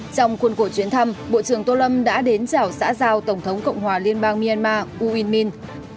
trong khuôn cổ chuyến thăm bộ trưởng tô lâm đã đến chảo xã giao tổng thống cộng hòa liên bang myanmar uyên minh